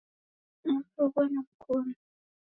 Namroghua na mkonu